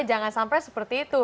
jangan sampai seperti itu